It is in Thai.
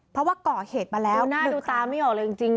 เพราะว่าก่อเหตุมาแล้วหน้าดูตาไม่ออกเลยจริง